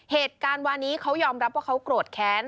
เหตุการณ์นี้เขายอมรับว่าเขาโกรธแค้น